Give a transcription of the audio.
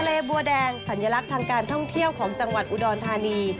บัวแดงสัญลักษณ์ทางการท่องเที่ยวของจังหวัดอุดรธานี